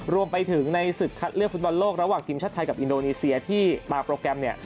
รวมไปถึงในศึกคัดเลือกฟุตบอลโลกระหว่างทีมชาติไทยกับอินโดนีเซียที่มาโปรแกรมเนี่ย